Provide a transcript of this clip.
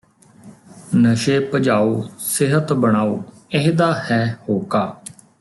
ਨਸ਼ੇ ਭਜਾਓ ਸਿਹਤ ਬਣਾਓ ਏਹਦਾ ਹੈ ਹੋਕਾ